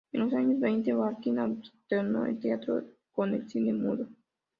En los años veinte Warwick alternó el teatro con el cine mudo.